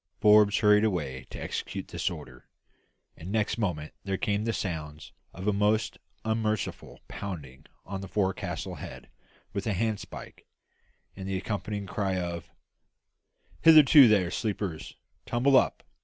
Forbes hurried away to execute this order, and next moment there came the sounds of a most unmerciful pounding on the forecastle head with a handspike, and the accompanying cry of "Hillo there, sleepers; tumble up.